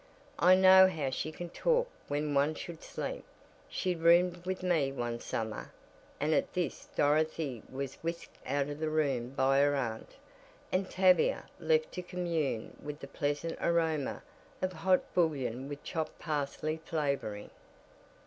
I know how she can talk when one should sleep she roomed with me one summer," and at this Dorothy was whisked out of the room by her aunt, and Tavia left to commune with the pleasant aroma of hot bouillon with chopped parsley flavoring.